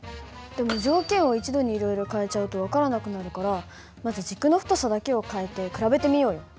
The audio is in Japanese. でも条件を一度にいろいろ変えちゃうと分からなくなるからまず軸の太さだけを変えて比べてみようよ。